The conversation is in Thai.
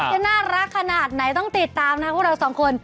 จะน่ารักขนาดไหนต้องติดตามนะพวกเราสองคน